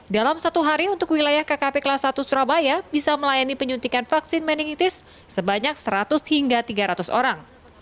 dalam satu hari untuk wilayah kkp kelas satu surabaya bisa melayani penyuntikan vaksin meningitis sebanyak seratus hingga tiga ratus orang